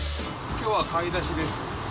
きょうは買い出しです。